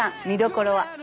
見どころは？